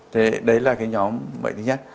thế đấy là cái nhóm bệnh thứ nhất